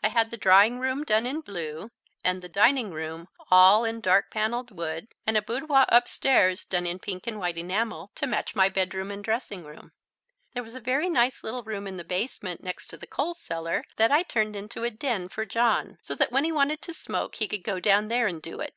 I had the drawing room done in blue, and the dining room all in dark panelled wood, and a boudoir upstairs done in pink and white enamel to match my bedroom and dressing room. There was a very nice little room in the basement next to the coal cellar that I turned into a "den" for John, so that when he wanted to smoke he could go down there and do it.